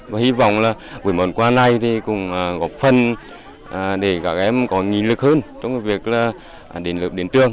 và hy vọng là với món quà này thì cũng góp phần để các em có nghị lực hơn trong việc đến lớp đến trường